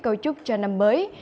câu chúc cho năm mới